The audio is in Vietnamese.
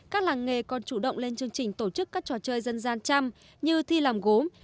các làng nghề còn chủ động lên chương trình tổ chức các trò chơi dân gian chăm như thi làm gốm